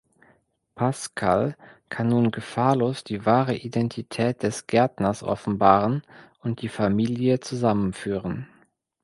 Pasquale kann nun gefahrlos die wahre Identität des Gärtners offenbaren und die Familie zusammenführen.